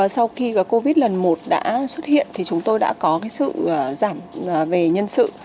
sau khi covid lần một đã xuất hiện thì chúng tôi đã có sự giảm về nhân sự